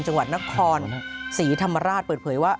จังหวัดนครศรีธรรมราชเปิดเผยว่า